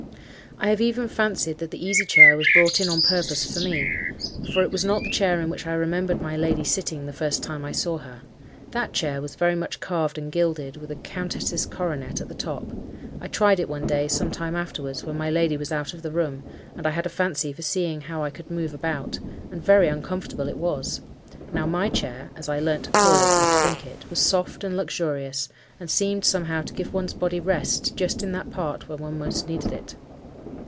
I have even fancied that the easy chair was brought in on purpose for me; for it was not the chair in which I remembered my lady sitting the first time I saw her. That chair was very much carved and gilded, with a countess' coronet at the top. I tried it one day, some time afterwards, when my lady was out of the room, and I had a fancy for seeing how I could move about, and very uncomfortable it was. Now my chair (as I learnt to call it, and to think it) was soft and luxurious, and seemed somehow to give one's body rest just in that part where one most needed it.